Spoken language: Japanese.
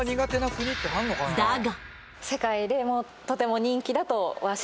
だが！